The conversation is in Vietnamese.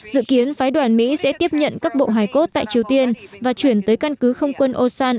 dự kiến phái đoàn mỹ sẽ tiếp nhận các bộ hài cốt tại triều tiên và chuyển tới căn cứ không quân osan